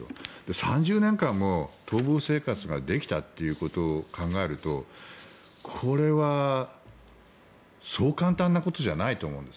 ３０年間も逃亡生活ができたということを考えるとこれはそう簡単なことじゃないと思うんです。